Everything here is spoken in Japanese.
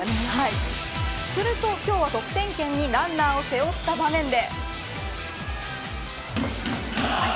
すると今日は得点圏にランナーを背負った場面で。